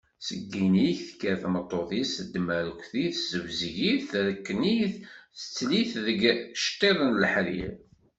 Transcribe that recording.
Seg yinig, tekker tmeṭṭut-is, teddem arekti, tessebzeg-it, terekn-it, tettel-it deg tceṭṭiḍin n leḥrir.